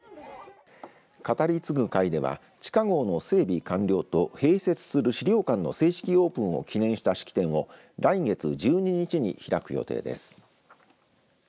語り継ぐ会では地下ごうの整備完了と併設する資料館の正式オープンを記念した式典を来月１２日に開く予定です。